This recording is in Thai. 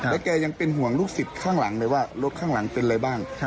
แล้วแกยังเป็นห่วงลูกศิษย์ข้างหลังเลยว่ารถข้างหลังเป็นอะไรบ้าง